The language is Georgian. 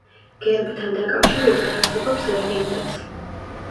გერბთან დაკავშირებით არსებობს ლეგენდაც.